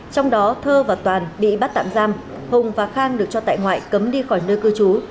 trong đó thơ và toàn bị bắt tạm giam hùng và khang được cho tại ngoại cấm đi khỏi nơi cư trú